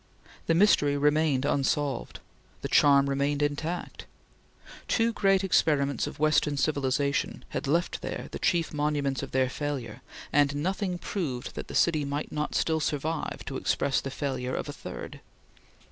The mystery remained unsolved; the charm remained intact. Two great experiments of Western civilization had left there the chief monuments of their failure, and nothing proved that the city might not still survive to express the failure of a third.